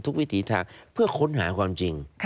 วิถีทางเพื่อค้นหาความจริง